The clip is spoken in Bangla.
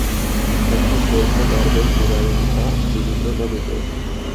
তখন বলতে পারবেন, বিড়ালটা জীবিত না মৃত?